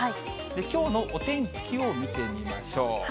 きょうのお天気を見てみましょう。